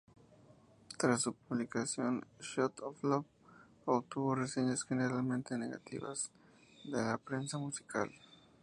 Tras su publicación, "Shot of Love" obtuvo reseñas generalmente negativas de la prensa musical.